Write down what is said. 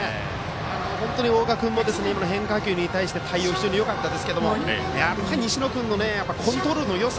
本当に大賀君も今の変化球に対しての対応、非常によかったですけど西野君のコントロールのよさ。